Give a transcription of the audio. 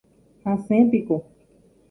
hasẽpiko